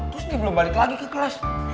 terus dia belum balik lagi ke kelas